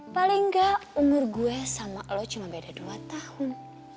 paling nggak umur gue sama lo cuma beda dua tahun